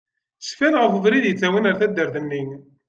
Cfan ɣef ubrid i yettawin ar taddart-nni.